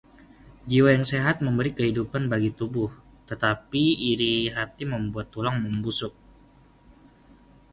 Jiwa yang sehat memberi kehidupan bagi tubuh, tetapi iri hati membuat tulang membusuk.